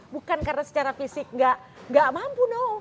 bukan karena secara fisik gak mampu dong